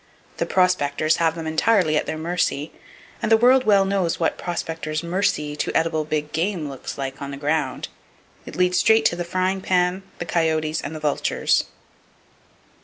The "prospectors" have them entirely at their mercy, and the world well knows what prospectors' "mercy" to edible big game looks like on the ground. It leads straight to the frying pan, the coyotes and the vultures.